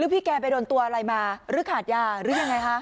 พี่แกไปโดนตัวอะไรมาหรือขาดยาหรือยังไงคะ